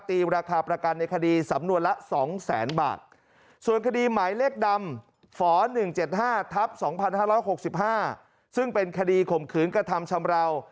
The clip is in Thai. ราคาประกันในคดีสำนวนละ๒๐๐๐๐บาทส่วนคดีหมายเลขดำฝ๑๗๕ทับ๒๕๖๕ซึ่งเป็นคดีข่มขืนกระทำชำราว